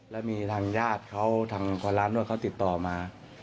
แล้วมีทางญาติเขาทางร้านนวดเขาติดต่อมา